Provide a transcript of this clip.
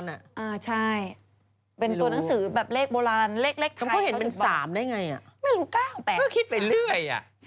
ไม่รู้๙๘เขาก็คิดไปเรื่อย